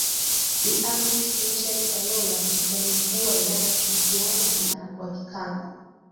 Bi Agnes Richard Kayola ni Kaimu Mkuu wa Idara ya ushirikiano wa kikanda